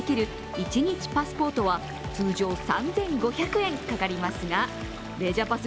１日パスポートは通常、３５００円かかりますがレジャパス！